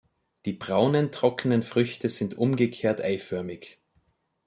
Die braunen, trockenen Früchte sind umgekehrt-eiförmig.